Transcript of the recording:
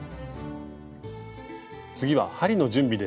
次は針の準備です。